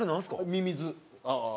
ミミズ。